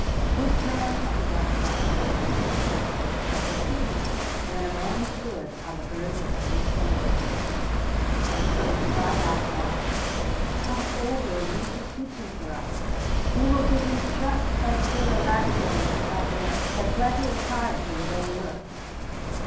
This man of the watch tower had a genius for perceiving when a man stood on the verge of great celebrity, and so he cried out now: "Come over and do some teaching for us! We will give you just as good a laboratory as you have there and plenty of time for your own work."